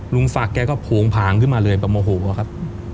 ลุงศักดิ์แกก็โผงผางขึ้นมาเลยแบบโมโหอะครับ